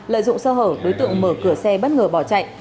lợi dụng sơ hở đối tượng mở cửa xe bất ngờ bỏ chạy